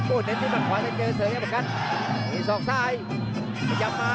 โอ้เด็ดด้วยมันขวาจะเจอเสริมอย่างเหมือนกันส่องซ่ายพยายามมา